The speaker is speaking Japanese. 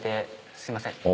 すいません。